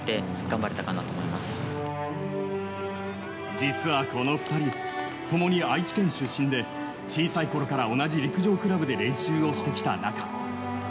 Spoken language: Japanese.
実は、この２人共に愛知県出身で小さいころから同じ陸上クラブで練習をしてきた仲。